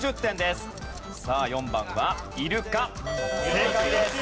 正解です。